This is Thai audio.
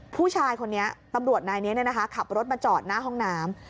พุ่งชายตำรวจนายเนี่ยขับรถมาจอดหน้าห้องน้ำ